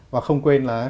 và không quên là